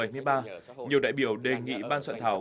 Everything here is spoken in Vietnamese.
nhiều đại biểu đề nghị ban soạn thảo